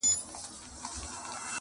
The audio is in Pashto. o او پای پوښتنه پرېږدي,